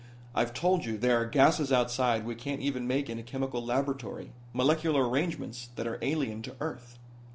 I've told you there are gases outside we can't even make in a chemical laboratory, molecular arrangements that are alien to earth."